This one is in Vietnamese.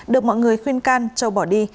được mọi người khuyên can châu bỏ đi